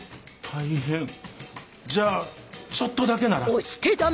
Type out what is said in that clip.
大変じゃあちょっとだけなら。